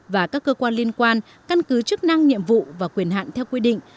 và các cơ quan liên quan căn cứ chức năng nhiệm vụ và quyền hạn theo quy định